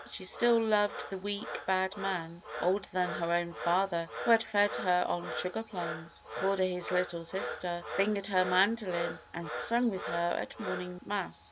She still loved the weak, bad man, older than her own father, who had fed her on sugar plums, called her his little sister, fingered her mandolin, and sung with her at morning mass.